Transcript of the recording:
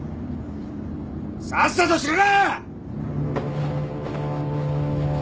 さっさとしろ！